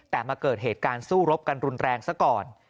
แต่มาเกิดเหตุการณ์สู้รบกันรุนแรงซะก่อน